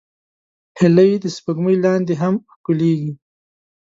هیلۍ د سپوږمۍ لاندې هم ښکليږي